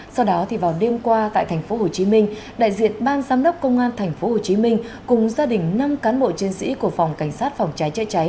sau đó vào đêm qua tại tp hcm đại diện bang giám đốc công an tp hcm cùng gia đình năm cán bộ chiến sĩ của phòng cảnh sát phòng trái trái trái